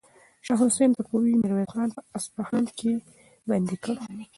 شاه حسین صفوي میرویس خان په اصفهان کې بندي کړ.